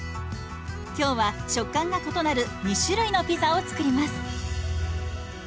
今日は食感が異なる２種類のピザを作ります。